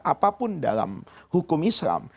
apapun dalam hukum islam